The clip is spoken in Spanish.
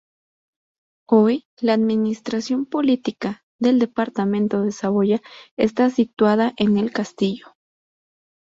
Hoy, la administración política del departamento de Saboya está situada en el castillo.